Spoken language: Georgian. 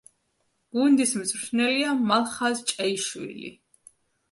გუნდის მწვრთნელია მალხაზ ჭეიშვილი.